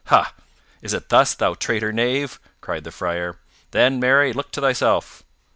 "Ha! Is it thus, thou traitor knave!" cried the Friar. "Then, marry, look to thyself!"